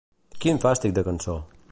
Quin fàstic de cançó.